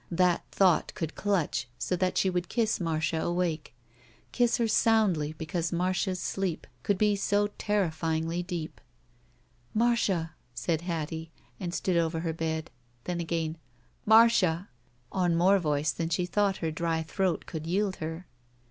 That thought could clutch so that she would kiss Marda awake. Kiss her soundly because Marda's sleep could be so terrifjringly deep. "Marda," said Hattie, and stood over her bed. Then again, "Mar cia!'* On more voice than she thought her dry throat could jrield her.